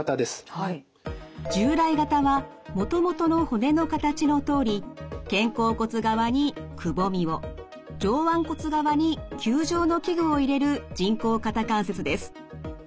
従来型はもともとの骨の形のとおり肩甲骨側にくぼみを上腕骨側に球状の器具を入れる人工肩関節です。